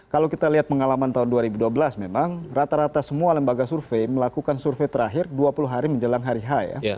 kalau kita lihat pengalaman tahun dua ribu dua belas memang rata rata semua lembaga survei melakukan survei terakhir dua puluh hari menjelang hari h ya